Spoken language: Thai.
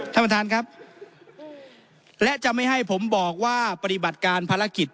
ท่านประธานครับและจะไม่ให้ผมบอกว่าปฏิบัติการภารกิจ